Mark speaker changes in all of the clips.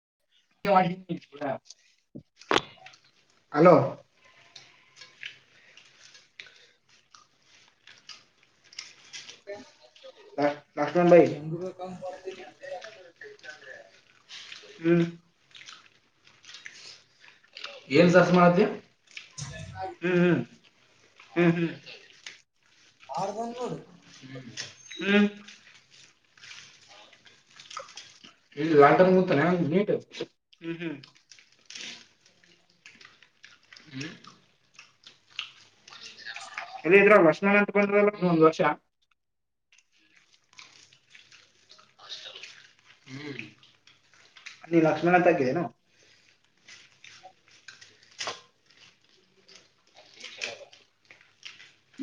Speaker 1: [inaudible] Hello Lakshman
Speaker 2: ನ್ನ
Speaker 1: ಭಾಯಿ
Speaker 2: ಎಂಗು ಬಗಾ ಕೊರತೆ ನಿರ
Speaker 1: ಹ್ಮ್ ಏನ್ ಸರ್ಚ್ ಹ್ಮ್ ಹ್ಮ್ ಹ್ಮ್ ಹ್ಮ್
Speaker 2: ಆರುದೋಡು
Speaker 1: ಹ್ಮ್ ಹ್ಮ್ ಇಲ್ಲಿ ಲಾಟನ್ ಮೂತಾನೆ ಮೀಟ್ಟು ಹ್ಮ್ ಹ್ಮ್. ಹ್ಮ ಅಲ್ಲ ಇದ್ರೆ ವರ್ಷ ನಂತ ಬಂದಲ್ಲ ಒಂದ್ ವರ್ಷ. ಹ್ಮ ನೀ ಲಕ್ಷ್ಮೀನಾಥನು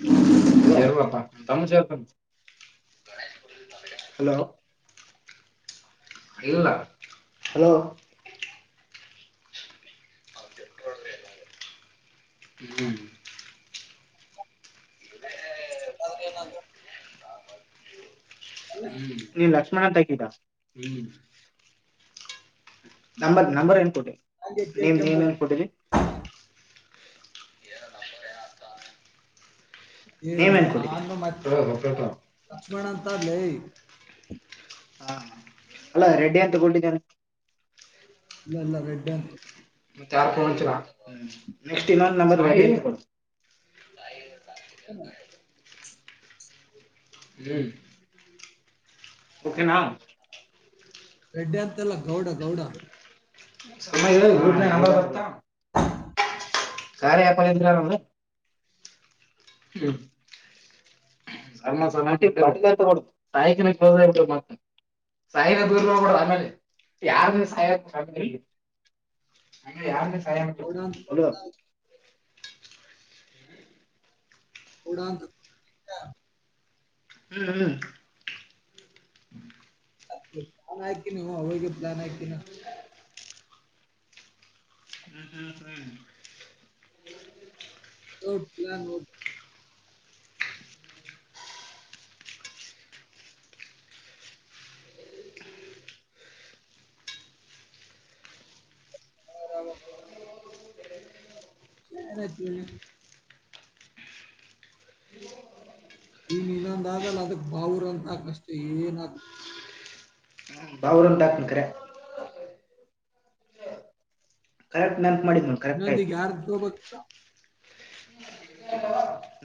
Speaker 2: ಹ್ಮ
Speaker 1: ಅ ಸವಪ್ಪ ತಮ್ಮ ಸ ತ. ಹಲೋ ಇಲ್ಲ ಹಲೋ ಗುಮ
Speaker 2: ತಾದದಲ್ಲಿನ್ನದು.
Speaker 1: ಹ್ಮ್ ನೀನ್ ಲಕ್ಷ್ಮಣ ಅಂತ ಹಾಕಿದ ಹ್ಮ್. ನಂಬರ್ ನಂಬರ್ ಏನ್ ಕೊಟ್ಟಿ
Speaker 2: ಹಂಗೆ ಕೆ
Speaker 1: ನೀಮ್ ನೀಮ್
Speaker 2: ಕೆಂಬು
Speaker 1: ಏನ್ ಕೊಟ್ಟರಿ.
Speaker 2: ಏ
Speaker 1: ನೇಮ್ ಏನ್ ಕೊಟ್ಟಿದ್ಯಾ
Speaker 2: ಆನ್ ಮತ್ತೆ
Speaker 1: ಹೌದು, ಹೌದು.
Speaker 2: ಲಕ್ಷ್ಮಣ ಅಂತ ಲೈ
Speaker 1: ಹಾ ಅಲ್ಲ ರೆಡ್ಡಿ ಅ ತಗೊಡಿದ್ದಿದ್ದಾರೆ.
Speaker 2: ಇಲ್ಲ ಇಲ್ಲ [unintelligible]
Speaker 1: ಮತ್ತು ನೆಕ್ಸ್ಟ್ [unintelligible]
Speaker 2: ಹ್ಮ
Speaker 1: ಹ್ಮ್ ಓಕೆನಾ
Speaker 2: ರೆಡ್ಡಿ ಅಂತೆಲ್ಲ ಗೌಡ ಗೌಡ
Speaker 1: ಸಮಮ್ಮ ಇ ನ ಬರ್ತಾ. ಕಾರ ಯಾಕೋ ಯಾಪಾರ್ದ ನಮಗೆ. ಹ್ಮ ಅಮ್ಮ ಸ ನಟಟತ ಕೊಡ ಸಾಯಕಿನಟ್ಟ ಮತ್ತ ಸಾಯಿಬ ದೂರ್ ನಬಡ ಆಮೇಲೆ ಯಾರಿ ಹಂಗ ಯಾರ ಸಹಾಯ ಉಂಟು
Speaker 2: ಗೌಡ ಅಂತ
Speaker 1: ಅಲೋ
Speaker 2: ಕೊಟ್ಟು ನಾನು ಹಡಾ ಹ
Speaker 1: ಹ್ಮ್ ಹ್ಮ್
Speaker 2: ಪಲಾನ್ ಹಾಕತಿ ನೀವು ಅವಾಗ ಪ್ಲಾನ್ ಹಾಕತಿ.
Speaker 1: ಹ ಹಾ ಹಾ ಸ
Speaker 2: ಹೌ ಪ್ಲಾನ್. ಹೊರಗ [unintelligible] ಈಗ ಇನ್ನೊಂದಾದಲ್ ಅದಕ್ ಬಾವುರ ಅಂತಾಗಷ್ಟೆ ಏನಾಗತ.
Speaker 1: ಬಾವರಂತಾ ಕರೆ ಕರೆಕ್ಟ್ ನೆನಪ ಮಾಡಿದ್ ನ್ ಕರೆಕ್ಟ್
Speaker 2: ಇನ್ನೊಂದ್ ಈಗ
Speaker 1: ಆಯ್ತು
Speaker 2: ಯಾರ್ದು ತಗೋಬೇಕು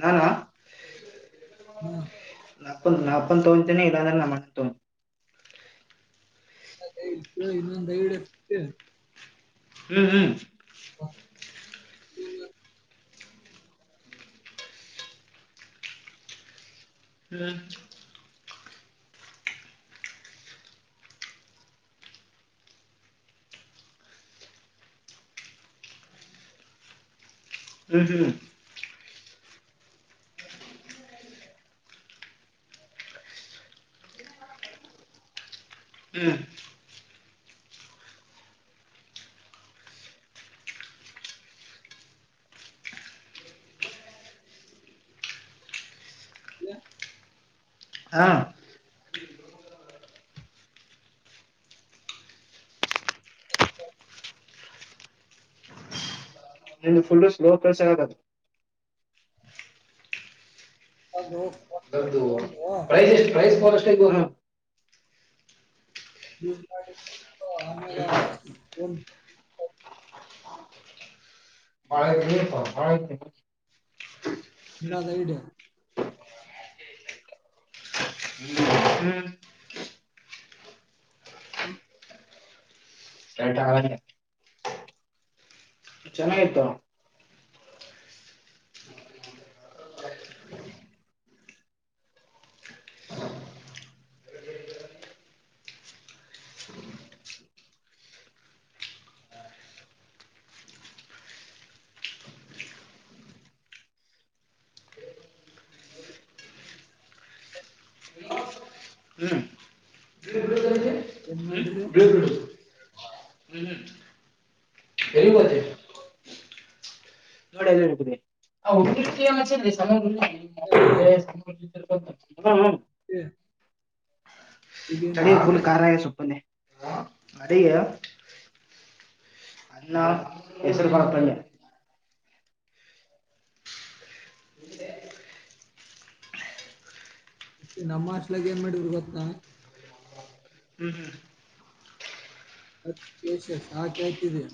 Speaker 1: ನಾನಾ
Speaker 2: ಹ್ಮ
Speaker 1: ನಾಪ ನಾಪ ತಂತೆನೆ ಇಲ್ಲಂದ ಮ ತ [inaudible]
Speaker 2: ಅ ಕೇಳಿ ನೊಂದು ಡೆೇಳಿ [inaudible]
Speaker 1: ಹ್ಮ್ ಹ್ಮ್ [unintelligible]
Speaker 2: ಹ [inaudible]
Speaker 1: ಹ [inaudible] ಹ್ಮ್ ಹ್ಮ್ ಹ್ಮ
Speaker 2: ಹ
Speaker 1: ಹಾ
Speaker 2: ಹ [inaudible]
Speaker 1: ನಿಮ ಫುಲ್ಲು ಸ್ಲೋ ಕೆಲ್ಸ ಆದು
Speaker 2: ಹಲೋ
Speaker 1: ದೌದು ಪ್ರೈಸ್ ಎಷ್ಟ ಪ್ರೈಸ್ ಬಷ್ಟಗೋ [unintelligible]
Speaker 2: ದ ಮಾಡ ಅಕ [inaudible]
Speaker 1: ಬಾಳಪ್ಪ ಭಾಳ ಐತ [inaudible]
Speaker 2: ಹಂಗದ ಇಡು
Speaker 1: ಹ್ಮ್ ಹ್ಮ್
Speaker 2: ಹ್ಮ [inaudible]
Speaker 1: [unintelligible] ಚೆನ್ನಾಗಿತ್ತು [inaudible]
Speaker 2: [inaudible]
Speaker 1: ಹ್ಮ್ ಹ್ಮ್ ಹ್ಮ್
Speaker 2: ಎಂಗಾಡಿಗೆ [unintelligible]
Speaker 1: ಹ್ಮ್ ಎಲ್ಲಿ ಹೋದೆ? [unintelligible] [inaudible]
Speaker 2: ಏಯ್ ಏ, ಈಗ ಏನ್
Speaker 1: ಚಳಿ
Speaker 2: ಮಾಡ್ರಿ
Speaker 1: ಫುಲ್ ಕಾರ ಸೂಪನಿ [inaudible] ಅದೇಯಾ ಅನ್ನ ಹೆಸರು ಬರ್ತನೆ ಹ [unintelligible]
Speaker 2: ನಮ್ಮ ಸ್ಲಾಗ್ ಏನ್ ಮಾಡಿದ್ರು ಗೊತ್ತಾ
Speaker 1: ಹ್ಮ್ ಹ್ಮ್
Speaker 2: ಅದ ಯಶಸ್ ಹಾ ಕೇತಿದಯ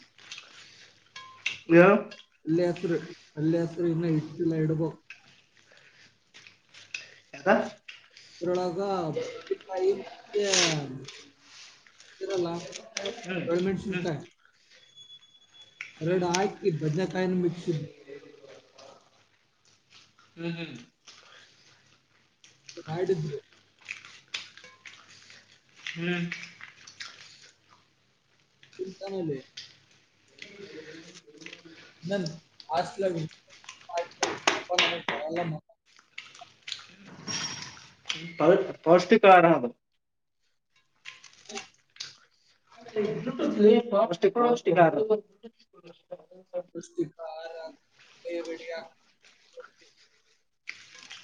Speaker 1: ಯಾವ [inaudible]
Speaker 2: ಅಲ್ಲರು ಅಲ್ಲಾಸರು ಇನ್ನ ಇಟ್ಟಿಲ್ಲ ಇಡುಬೆಕ್
Speaker 1: ಯದಾ
Speaker 2: ಅದ್ರೊಳಗ ಬಟ್ಟೆಕಾಯಿ ಮತ್ತೆರಲ್ಲ
Speaker 1: ಹ್ಮ್ ಹ್ಮ್
Speaker 2: ರಡ
Speaker 1: ಹ್ಮ್
Speaker 2: ಆಯ್ಕ್ ಭದನಕಾಯನು ಮ [inaudible] ಶುದ್ಧ
Speaker 1: ಹ್ಮ್ ಹ್ಮ್
Speaker 2: ಮಾಡಿದ್ರು
Speaker 1: ಹ್ಮ್
Speaker 2: ಚಿಂತಾ ನಲೆ
Speaker 1: [inaudible]
Speaker 2: ನ ಆಸ್ ಲ ಬರಲ್ಲ ಮತ [unintelligible]
Speaker 1: ಪೌ ಪೌಷ್ಟಿಕ ಆಹಾರ ಅದ
Speaker 2: ಹ [inaudible]
Speaker 1: ಪೌಷ್ಟಿಕ ಪೌಷ್ಟಿಕ ಆಹಾರ ಅದು.
Speaker 2: [unintelligible] [unintelligible]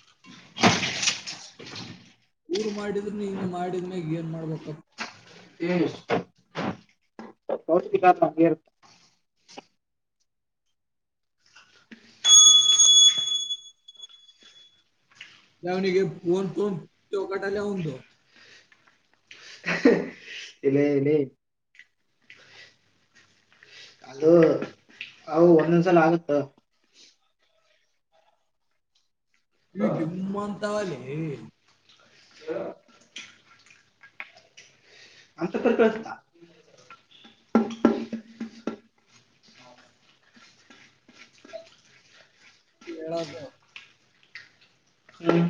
Speaker 1: [inaudible]
Speaker 2: ಊರು ಮಾಡಿದ್ರು ಹಂಗ ಮಾಡಿದ್ಮ್ಯಾಗ ಏನ್ ಮಾಡ್ಬೇಕತ್
Speaker 1: [unintelligible]
Speaker 2: [unintelligible]
Speaker 1: ಎಲೆ ಲೆ ಅದು ಅವು ಒಂದೊಂದ್ಸಲ ಆಗುತ್ತೆ
Speaker 2: ಜುಮ್ಮಂತಾವಲೇ
Speaker 1: ಹ [unintelligible]
Speaker 2: ಹೇಳಳದ
Speaker 1: ಹ್ಮ್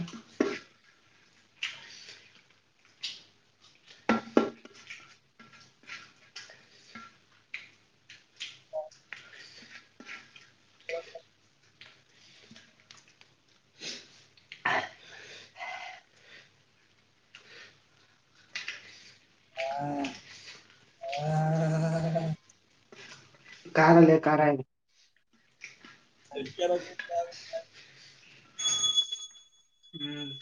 Speaker 2: ಹಾ [unintelligible]
Speaker 1: ಕಾರಾರಲ್ಲೇ ಕಾರಾಯ
Speaker 2: [unintelligible]
Speaker 1: ಹ್ಮ್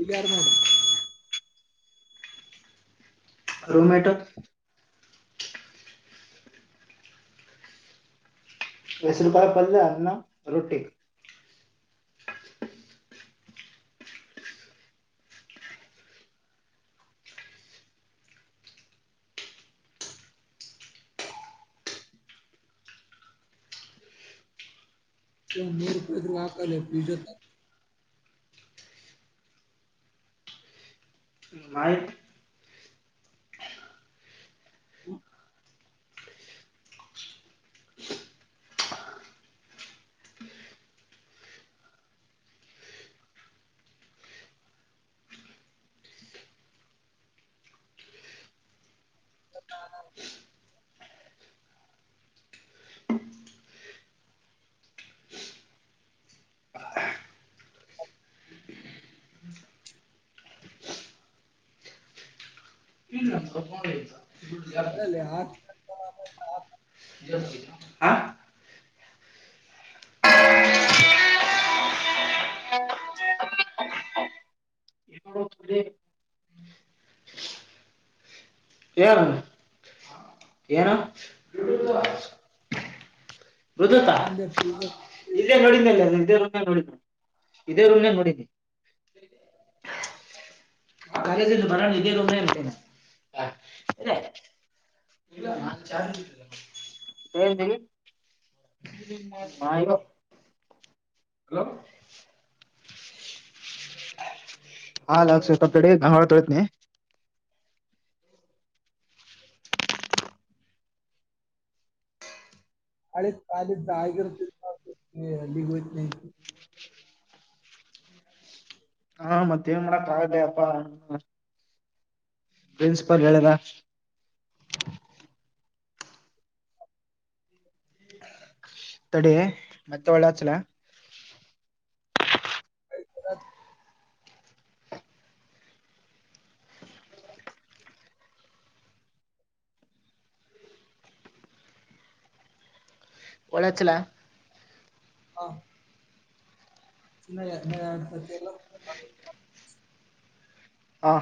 Speaker 2: ಇಲ್ಲಿ ಯಾರ್ ಮನೆ
Speaker 1: ರೂಮ್ಮೇಟ್ ಹೆಸರು ಕಾಯಿ ಪಲ್ಯ ಅನ್ನ ರೊಟ್ಟಿ
Speaker 2: ಮೂರುಭೇದರು ಹಾಕಲೇ ಬಿಜುದು
Speaker 1: ಮಾಡಿ
Speaker 2: [unintelligible]
Speaker 1: [inaudible]
Speaker 2: [unintelligible]
Speaker 1: ಆ? ಏನು ಏನು ಗದುತಾ
Speaker 2: ಹಾಕಂದೆ ಪಿಜ್ಜಾ
Speaker 1: ಇಲ್ಲೇ ನೋಡಿದ್ದಲ್ಲೆ [unintelligible] ಇದೇ ರುಮನೆ ನೋಡಿದಿ [unintelligible] ಹಾ ಹ ಇ [inaudible] ಹಲೋ ಹಾ ಲಕ್ಷ [inaudible] ತ ತಡೆ ಗಂಗಾಳ ತೊಳತ್ನೀ
Speaker 2: ಅಳ ಕಾಲ ಜಾಯಗರ ಲಿಗಯ ನ [unintelligible]
Speaker 1: ಹಾ ಮತ್ತೆ ನ್ ಮಾಡಕ್ ಆಗಲ್ಲೆ ಅಪ್ಪಾ ಪ್ರಿನ್ಸಿಪಲ್ ಹೇಳದ ತಡೆ ಮತ್ತೆ ಒಳ್ಳೆಚ್ಚಲ ಒಳಚ್ಚಲ
Speaker 2: ಹಾ ಸನ್ನ ಎಲ್ಲ [unintelligible]
Speaker 1: ಆ